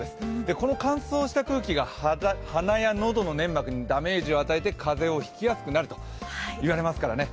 この乾燥した空気が鼻や喉の粘膜にダメージを与えて風邪を引きやすくなると言われますからね。